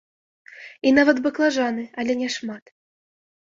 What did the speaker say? І нават баклажаны, але не шмат.